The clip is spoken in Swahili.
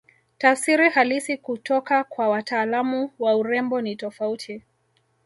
Tafsiri halisi kutoka kwa wataalamu wa urembo ni tofauti